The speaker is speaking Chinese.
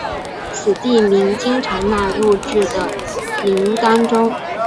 此地名经常纳入至的名单中。